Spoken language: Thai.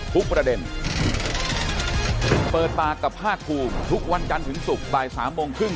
ทุกประเด็นเปิดปากกับภาคภูมิทุกวันจันทร์ถึงศุกร์บ่ายสามโมงครึ่ง